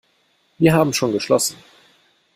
Wir haben schon geschlossen.